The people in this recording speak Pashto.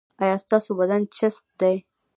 ایا ستاسو بدن چست دی؟